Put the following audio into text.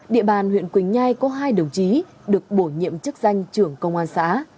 địa bàn huyện quỳnh nhai có hai đồng chí được bổ nhiệm chức danh trưởng công an xã